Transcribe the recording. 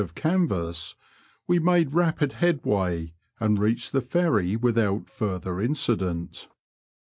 of canyas, we made rapid headway, and reached the Ferry without further incident.